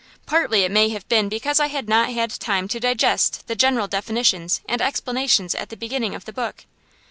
Partly it may have been because I had not had time to digest the general definitions and explanations at the beginning of the book.